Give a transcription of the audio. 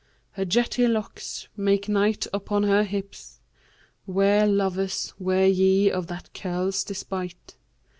Her jetty locks make night upon her hips; * Ware, lovers, ware ye of that curl's despight!